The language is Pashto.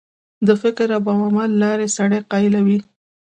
د فکر او عمل لار سړی قایلوي.